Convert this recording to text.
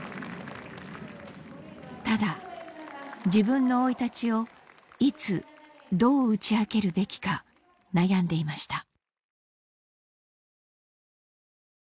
ただ自分の生い立ちをいつどう打ち明けるべきか悩んでいました。